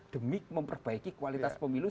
demi memperbaiki kualitas pemilu